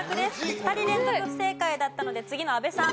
２人連続不正解だったので次の阿部さん